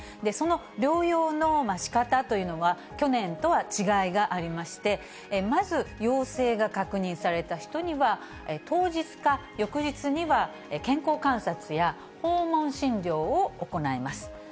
その療養のしかたというのは、去年とは違いがありまして、まず陽性が確認された人には、当日か翌日には、健康観察や訪問診療を行います。